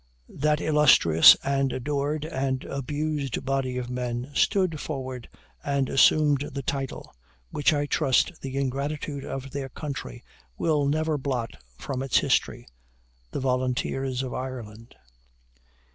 That illustrious, and adored and abused body of men stood forward and assumed the title, which I trust the ingratitude of their country will never blot from its history the Volunteers of Ireland."